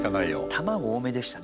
卵多めでしたね。